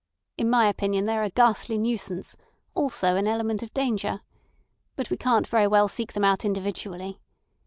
In my opinion they are a ghastly nuisance; also an element of danger. But we can't very well seek them out individually.